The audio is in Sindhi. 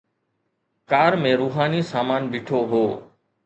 ڪار ۾ روحاني سامان بيٺو هو.